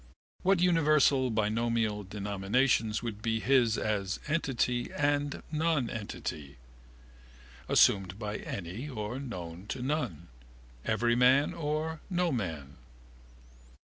What universal binomial denominations would be his as entity and nonentity? Assumed by any or known to none. Everyman or Noman.